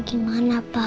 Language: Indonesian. aku mau liat mama